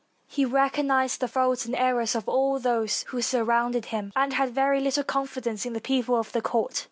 He recognized the faults and errors of all those who sur rounded him, and had very little confidence in the peo ple of the court.